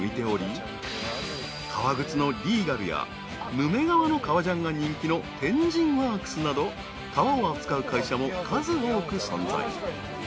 ［ヌメ革の革ジャンが人気の天神ワークスなど革を扱う会社も数多く存在］